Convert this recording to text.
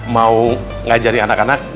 mau ngajarin anak anak